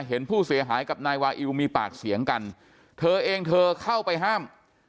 เห็นผู้เสียหายกับนายวาอิวมีปากเสียงกันเธอเองเธอเข้าไปห้าม